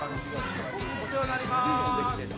お世話になります。